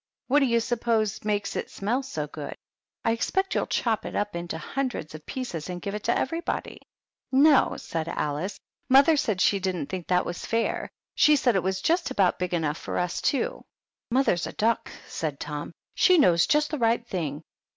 what do you suppose makes it smell so good ? I expect you'll chop it up into hundreds of pieces and give it to everybody." "No," said Alice; "mother said she didn't think that was fair. She said it was just about big enough for us two." "Mother's a duck!" said Tom; "she knows just the right thing.